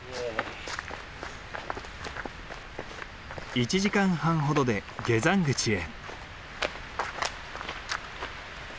１時間半ほどで下山口へ。